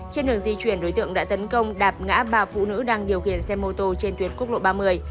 trên đường di chuyển đối tượng đã tấn công đạp ngã ba phụ nữ đang điều khiển xe mô tô trên tuyến quốc lộ ba mươi